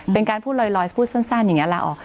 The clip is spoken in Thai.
เป็นการพูดลอยพูดสั้นอย่างนี้ลาออก